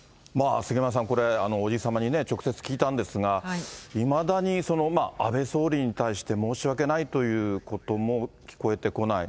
杉山さん、これ、伯父様に直接聞いたんですが、いまだに安倍総理に対して申し訳ないということも聞こえてこない。